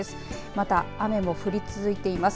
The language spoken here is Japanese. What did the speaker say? また雨も降り続いています